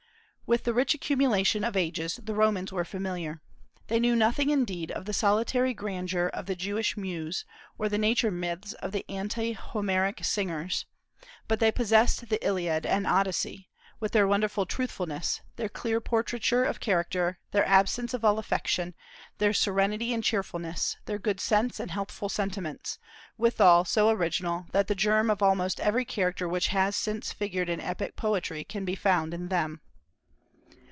With the rich accumulation of ages the Romans were familiar. They knew nothing indeed of the solitary grandeur of the Jewish muse, or the Nature myths of the ante Homeric singers; but they possessed the Iliad and the Odyssey, with their wonderful truthfulness, their clear portraiture of character, their absence of all affectation, their serenity and cheerfulness, their good sense and healthful sentiments, withal so original that the germ of almost every character which has since figured in epic poetry can be found in them.